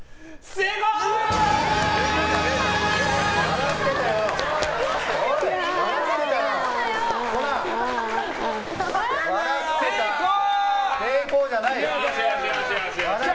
成功じゃないよ。